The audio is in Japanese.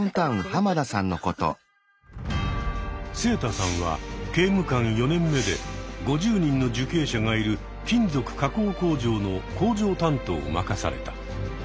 セイタさんは刑務官４年目で５０人の受刑者がいる金属加工工場の「工場担当」を任された。